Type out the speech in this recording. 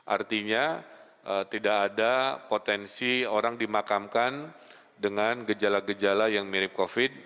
artinya tidak ada potensi orang dimakamkan dengan gejala gejala yang mirip covid